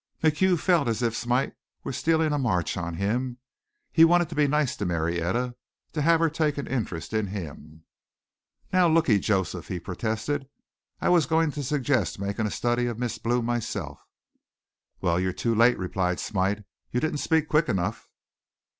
MacHugh felt as if Smite were stealing a march on him. He wanted to be nice to Marietta, to have her take an interest in him. "Now, looky, Joseph," he protested. "I was going to suggest making a study of Miss Blue myself." "Well, you're too late," replied Smite. "You didn't speak quick enough."